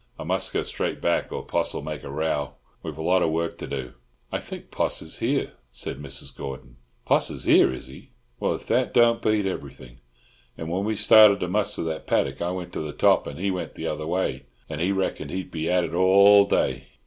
I must go straight back, or Poss'll make a row. We've a lot of work to do." "I think Poss is here," said Mrs. Gordon. "Poss is here, is he? Well, if that don't beat everything! And when we started to muster that paddock I went to the top, and he went the other way, and he reckoned to be at it all day.